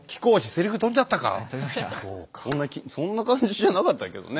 そんな感じじゃなかったけどね。